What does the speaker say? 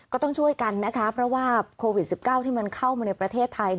ก็ต้องช่วยกันนะคะเพราะว่าโควิด๑๙ที่มันเข้ามาในประเทศไทย